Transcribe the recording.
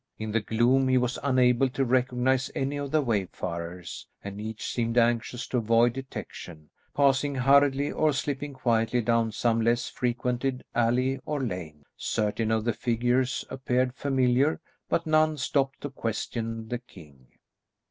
In the gloom he was unable to recognise any of the wayfarers, and each seemed anxious to avoid detection, passing hurriedly or slipping quietly down some less frequented alley or lane. Certain of the figures appeared familiar, but none stopped to question the king.